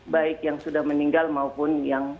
baik yang sudah meninggal maupun yang